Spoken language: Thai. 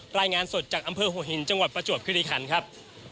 รายงานสดจากอำเภอหัวหินจังหวัดประจวบคิริคันครับ